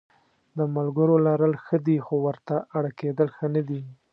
د ملګرو لرل ښه دي خو ورته اړ کېدل ښه نه دي.